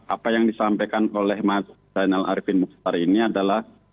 apa yang disampaikan oleh mas zainal arifin mukhtar ini adalah